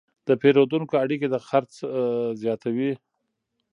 د پیرودونکو اړیکې د خرڅ زیاتوي.